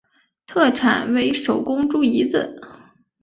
特产为手工猪胰子。